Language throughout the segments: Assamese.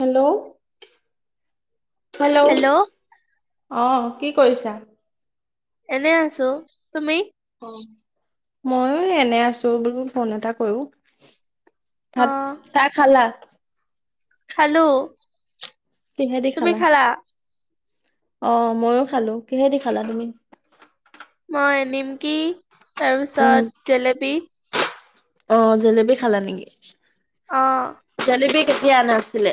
হেল্ল' হেল্ল' অ কি কৰিছা [unintelligible] [unintelligible] এনে আছো তুমি অ ময়ো এনে আছো বোলো ফোন এটা কৰো অ ভাত চ খালা? হেল্ল' কিহে দি খালা অ মইও খালো কিহেদি খালা তুমি? মই নিমকি উম তাৰপিছত জেলেপী অ জেলেপী খালা নেকি অ জেলেপী কেতিয়া আনা আছিলে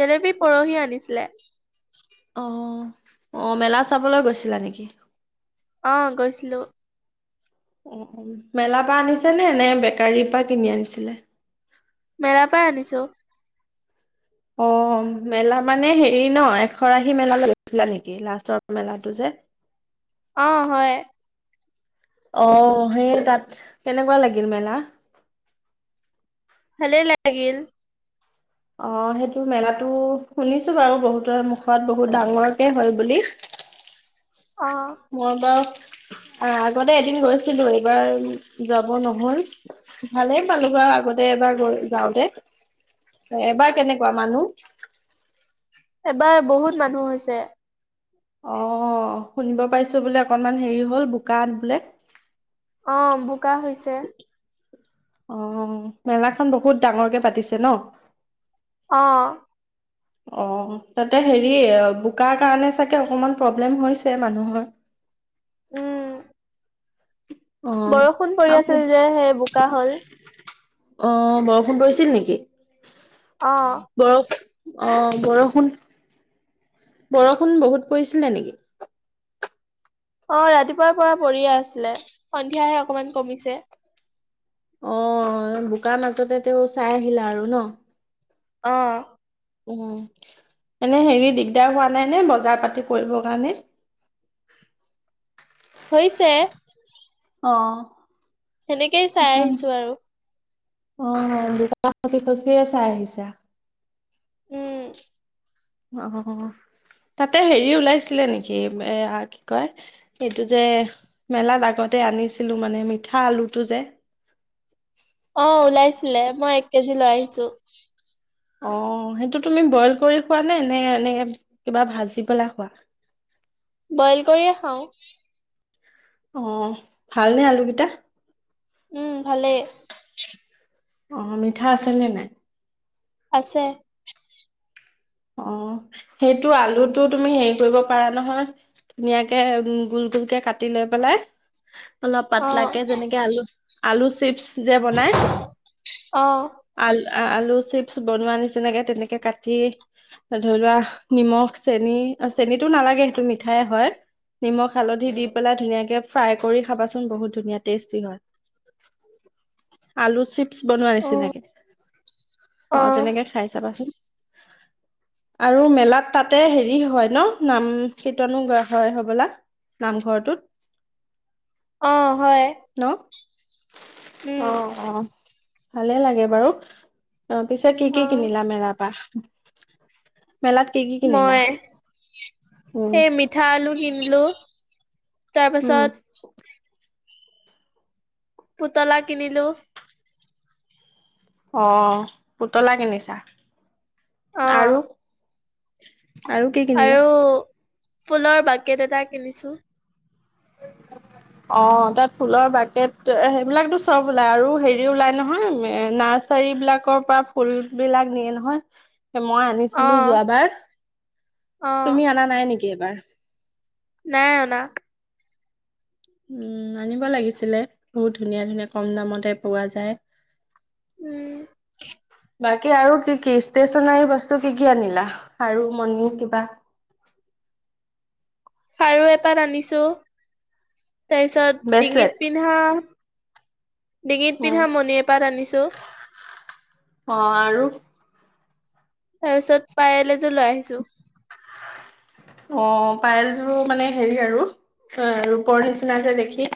জেলেপী পৰহি আনিছিলে অ আহ মেলা চাবলৈ গৈছিলা নেকি অ গৈছিলো অ মেলাৰ পৰা আনিছে নে নে বেকাৰীৰ পৰা কিনি আনিছিলে মেলা পৰা আনিছো অ মেলা মানে হেৰি ন এশৰাশী মেলা গৈছিলা নেকি লাষ্টৰ মেলাটো যে অ হয় অ সেই তাত কেনেকুৱা লাগিল মেলা? ভালেই লাগিল অ সেইটো মেলাটো শুনিছো বাৰু বহুতৰ মুখত বহুত ডাঙৰকে হয় বুলি অ মই বা আহ আগতে এদিন গৈছিলো এইবাৰ যাব নহল ভালেই পালো বাৰু আগতে এবাৰ যাওঁতে এবাৰ কেনেকুৱা মানুহ। এবাৰ বহুত মানুহ হৈছে। অ শুনিব পাৰিছো বোলে অকনমান হেৰি হল বোকাত বোলে? অ বু কা হৈছে। অ মেলাখন বহুত ডাঙৰকে পাতিছে ন? অ অ তাতে হেৰি বোকা কাৰণে চাগে অকমান প্ৰব্লেম হৈছে মানুহৰ। উম। অ', বৰষুণ পৰি আকৌ আছিল যে সেই বোকা হল। অ বৰষুণ পৰিছিল নেকি? অ বৰষ- অ বৰষুণ বৰষুণ বহুত পৰিছিলে নেকি? অ ৰাতিপুৱাৰ পৰা পৰিয়ে আছিলে সন্ধিয়াহে অকমান কমিছে। অ বোকা মাজতে তেওঁ চাই আহিলা আৰু ন। আহ। উ এনে হেৰি দিগদাৰ হোৱা নাই নে বজাৰ পাতি কৰিবৰ কাৰণে? হৈছে। অ সেনেকেই চাই জান আহিছো আৰু। অ দুটা খচি খচিয়ে চাই আহিছা। উম। অ তাতে হেৰি ওলাইছিলে নেকি এ কি কয় এইটো যে মেলাত আগতে আনিছিলো মানে মিঠা আলুটো যে। অ ওলাইছিলে মই এক কেজি লৈ আহিছ। তৌ অ সেইটো তুমি বইল কৰি খোৱা নে নে এনে কিবা ভাজি পেলা খোৱা? বইল কৰিয়ে খাওঁ। অ ভালনে আলুকেইটা? উম ভালেই। অ মিঠা আছে নে নাই? আছে। অ সেইটো আলুটো তুমি হেৰি কৰিব পাৰা নহয়, ধুনীয়াকে গোল গোলকে কাটি লৈ পেলাই অলপ অ পাতলাকে যেনেকে আলু আলু চিপছ যে বনাই অ আল আলু চিপছ বনোৱা নিচিনাকে তেনেকে কাটি ধৰি লোৱা নিমখ চেনি চেনিটো নালাগে সেইটো মিঠাই হয়। নিমখ হালধি দি পেলাই ধুনীয়াকে ফ্ৰাই কৰি খাবাচোন বহুত ধুনীয়া টেষ্টি হয়। আলু চিপ বনোৱা অ নিচিনাকে, অ তেনেকে খাই চাবাচোন। আৰু মেলাত তাতে হেৰি হয় ন নাম কীৰ্তনো গোৱা হয় হবলা নামঘৰটোত। অ হয়। উম অ', অ'। ভালে লাগে বাৰু। অ' পিছে কি অ কি কিনিলা মেলাৰ পা [inaudible] মই উম এই মিঠা আলু কিনিলো। উম তাৰপাছত। পুতলা কিনিলো। অহ পুতলা কিনিছা। অ আৰু। আৰু কি কিনিলা? ফুলৰ বাকেট এটা কিনিছো। অ' তাত ফুলৰ বাকেট সেইবিলাকতো চব ওলাই আৰু হেৰি ওলাই নহয় এ নাৰ্চাৰী বিলাকৰ পৰা ফুল বিলাক নিয়ে নহয়। মই অ আনিছিলো যোৱাবাৰ, অ তুমি অনা নাই নেকি। এইবাৰ। নাই অনা। উম আনিব লাগিছিলে বহুত ধুনীয়া ধুনীয়া কম দামতে পোৱা যায়। উম। বাকী আৰু কি কি ষ্টেচনাৰী বস্তু কি কি আনিলা আৰু মন কিবা খাৰু এপাত আনিছো। তাৰ পিছত ডিঙিত ব্ৰেচলেট পিন্ধা ডিঙিত উম। পিন্ধা মণি এপাত আনিছো। অ' আৰু তাৰপিছত পায়েল লৈ আহিছো। অ' পায়েলযোৰ মানে হেৰি আৰু অ' ৰূপৰ নিচিনা যে দেখি।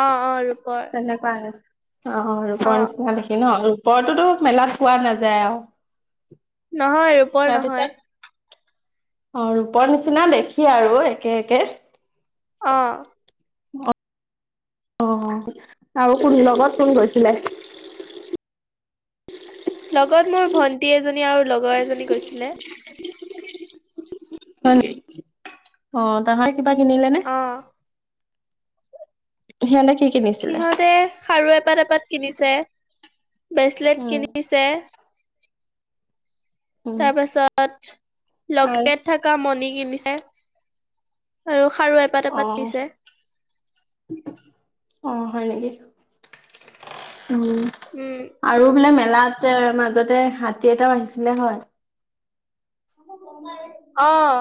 অ', অ' ৰু তেনেকুৱা আনিছে। অ' অ ৰূপৰ নিচিনা দেখি ন বৰতোতো মেলাত পোৱা নাযায় আৰু। নহয় ৰূপৰ নহয়। তাৰপিছত অ' ৰূপৰ নিচিনা দেখি আৰু একে একে। অ'। অ' [unintelligible] আৰু কোন লগত কোন গৈছিলে? লগত মোৰ ভন্টী এজনী আৰু লগৰ এজনী গৈছিলে। হয় নেকি। অ' তাহয় কিবা কিনিলে নে? অ সেয়া নে কি? কিনিছিলে? সিহঁতে খাৰু এপাত পাত কিনিছে বেছলেট উম কিনিছে উম। তাৰপাছত আৰু লকেট থকা মণি কিনিছে আৰু খাৰু এপাত এপাত অ' দিছে অ' হয় [inaudible] উম উম আৰু বোলে মেলাত মাজতে হাতী এটাও আহিছিলে হয় অঁ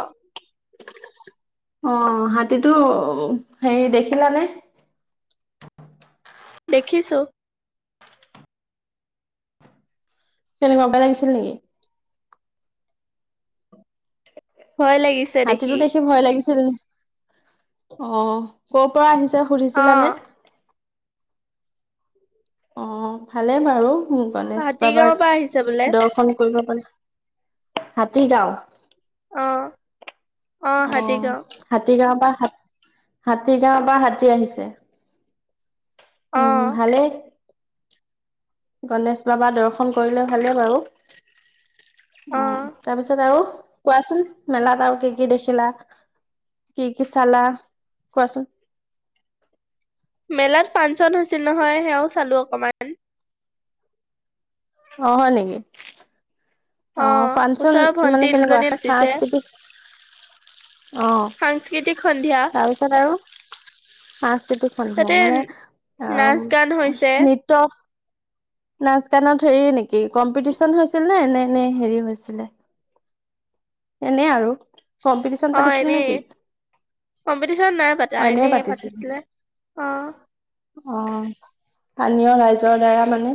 অ হাতীটো হে দেখিলানে দেখিছো কেনেকে বেয়া লাগিছিল নেকি ভয় লাগিছে হাতীটো দেখি ভয় লাগিছিল অ কৰ পৰা আহিছিল অ সুধিছিলা নে অ ভালে বাৰু উ গণেশ হাতীগাঁওৰ বাবাক পৰা আহিছে বোলে দৰ্শন কৰিব পাৰি হাতী গাওঁ অ অ হাতী গাঁও পা হাতী গাঁৱৰ বা হাতী আহিছে অ উম ভালে [inaudible] গণেশ বাবা দৰ্শন কৰিলে ভালেই বাৰু উ অ তাৰপিছত আৰু কোৱাচোন মেলাত আৰু কি কি দেখিলা কি কি চালা কোৱাচোন মেলাত ফাংচন হৈছিল নহয় সেয়াও চালো অকমান অ হয় নেকি অ ফাংচন ওচৰৰ মানে ভন্টি কেনেকুৱা দুজনী নাচিছে সাংস্কৃতিক অ সাংস্কৃতিক সন্ধিয়া তাৰপিছত আৰু সাংস্কৃতিক সন্ধিয়া তাতে মানে অ নাচ গান হৈছে নৃত্য নাচ গানত হেৰি নেকি কম্পিটিচন হৈছিল নে নে নে হেৰি হৈছিলে এনেই আৰু কম্পিটিচন অ পাতিছিল এনে নেকি কম্পিটিশন নাই পতা অ এনে এনেই পাতিছিল পাতিছিলে অ অ স্থানীয় ৰাইজৰ দ্বাৰা মানে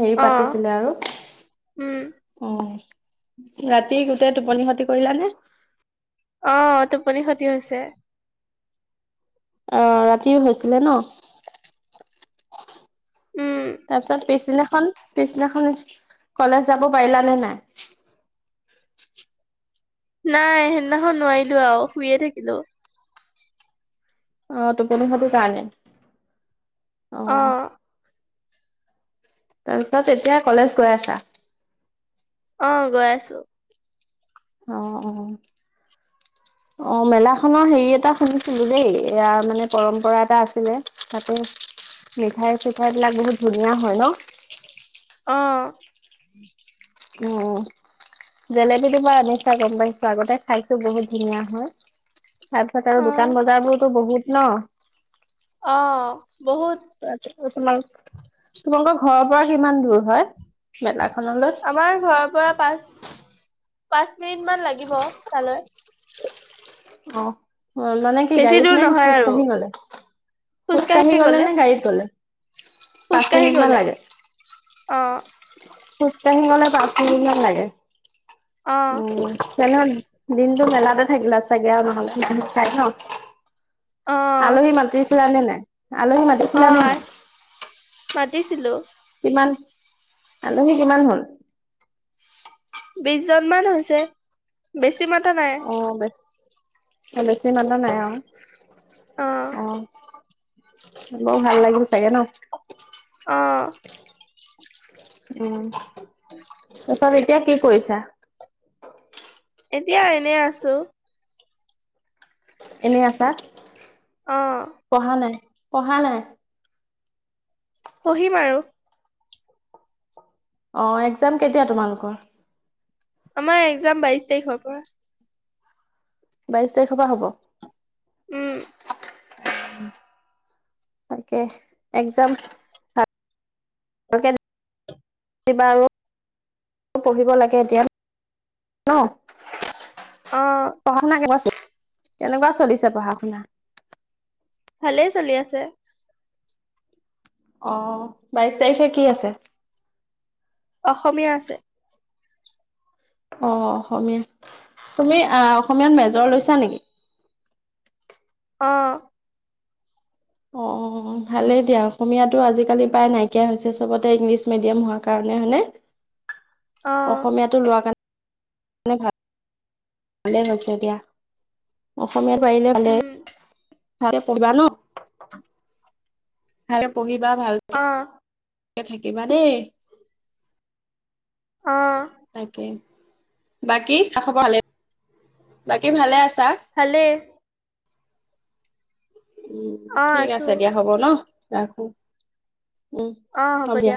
হেৰি অ পাতিছিলে আৰু উম অ ৰাতি ত টোপনি সতি কৰিলা নে অ টোপনি ক্ষতি হৈছে আহ ৰাতি হৈছিলে ন উম তাৰপিছত পিছিলে পিছনাখন কলেজ যাব পাৰিল নে নাই নাই সেইদিনাখন নোৱাৰিলো আৰু শুইে থাকিলো অ ত প সটোো ক নাই অ আহ তাৰপিছত এতিয়া কলেজ গৈ আছা অ গৈ আছো অ অ অ মেলাখনৰ হেৰি এটা শুনিছিলো দেই ইয়াৰ মানে পৰম্পৰা এটা আছিলে তাতে মিঠাই চিঠাই বিলাক বহুত ধুনীয়া হয় ন অ উ জেলেপী দুিবা আনিছা গম পাইছ আগতে খাইছো বহুত ধুনীয়া হয় তাৰ পিছত আৰু অ দোকান বজাৰ বোৰোতো বহুত ন অ বহুত তোমাৰ তোমালোকৰ ঘৰৰ পৰা কিমান দূৰ হয় মেলাখনলৈ? আমাৰ ঘৰৰ পৰা পাছ পাঁচ মিনিট মান লাগিব তালৈ অ অ মানে কি বেছি গাড়ীত দূৰ নাই নহয় খোজ আৰু কাঢ়ি গ'লে খোজ কঢ়ি গলে নে গাড়ীত গলে পাঁচ খোজকাঢ়ি মিনিট মান গলে লাগে। আহ খোজকাা শিঙলে পামান লাগে অ উ জনেহ দিনতটো মেলাতে থাকিলা চোন চ নহাই ন অ আলহী মানটোছিল আানে নে আলহী অ মাতিছিলা নে মাতিছিলো। কিমান আলহী কিমান হল বিশ জনমানান হৈছে বেছি মাতা নাই অ বছ অ বেছি মানুহ নাই অ অ বৌ ভাল লাগিল চাগে ন অ উ তাৰপত এতিয়া কি কৰিছা এতিয়া এনে আছো। এনেই আছা অ পঢ়া নাই। পঢ়া নাই পঢ়িম আৰু অ একজাম কেতিয়া তোমালোকৰ? আমাৰ একজাম বাইশ তাৰিখৰ পৰা। বাইশ তাৰিখৰ পৰা হ'ব। উম তাকে একজাম ভ কিবা আৰু পঢ়িব লাগে এতিয়া ন অ পঢ়া শুনা কেনেকুৱা চলিছে? কেনেকুৱা চলিছে পঢ়া শুনা? ভালেই চলি আছে। অ বাইশ তাৰিখে কি আছে। অসমীয়া আছে। অ অসমীয়া তুমি আহ অসমীয়াত মেজৰ লৈছা নেকি? অঁ অ ভালেই দিয়া অসমীয়াতটো আজিকালি প্ৰায় নাইকিয়া হৈছে চবতে ইংলিছ মিডিয়াম হোৱা কাৰণে হনে অ অসমীয়াাতটো লোৱা কাৰণে মানে, ভাল। ভালেই হৈছে দিয়া অসমীয়াত পাৰিলে ভালে। উম চাৰে প়িবা ন ভাল কে পঢ়িবা ন বা ভাল অ থাকিবা দেই। অ তাকে বাকী কাষৰ পাহালে বাকী ভালে আছা। ভালে উম অ ঠিক আছো আছে দিয়া হ'ব ন। ৰাখো উম হব দিয়া